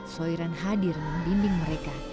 soiran hadir membimbing mereka